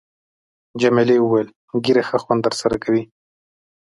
جميلې وويل:، ږیره ښه خوند در سره کوي.